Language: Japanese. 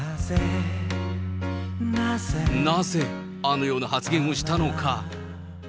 なぜあのような発言をしたのか。